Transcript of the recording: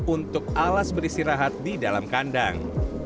untuk alas beristirahat di dalam kandang